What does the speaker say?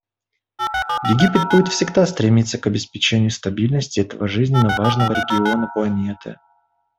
Египет будет всегда стремиться к обеспечению стабильности этого жизненно важного региона планеты.